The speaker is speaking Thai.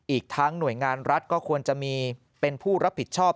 อีกทั้งหน่วยงานรัฐก็ควรจะมีเป็นผู้รับผิดชอบ